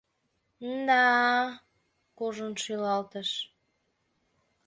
— М-да... — кужун шӱлалтыш.